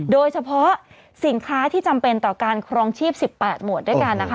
โดยเฉพาะสินค้าที่จำเป็นต่อการครองชีพ๑๘หมวดด้วยกันนะคะ